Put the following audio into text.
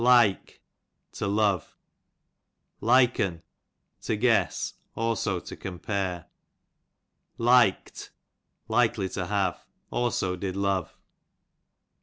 Like, to love. Lik^n, to guess\ also to compare, Lik'r, likely to have ; also did love.